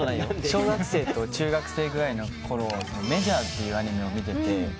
小中学生ぐらいのころ『メジャー』ってアニメを見てて。